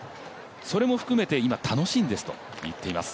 それも含めて今、楽しいんですと言っています。